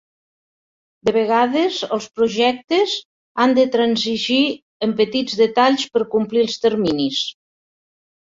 De vegades, els projectes, han de transigir en petits detalls per complir els terminis.